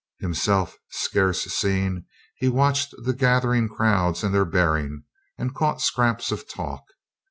Him self scarce seen, he watched the gathering crowds and their bearing, and caught scraps of talk.